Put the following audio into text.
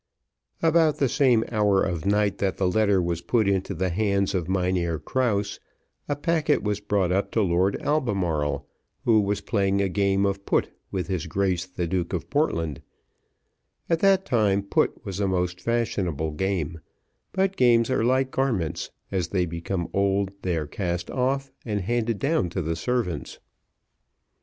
About the same hour of night that the letter was put into the hands of Mynheer Krause, a packet was brought up to Lord Albemarle, who was playing a game of put with his Grace the Duke of Portland; at that time put was a most fashionable game; but games are like garments, as they become old they are cast off, and handed down to the servants.